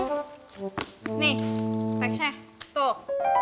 nih teksnya tuh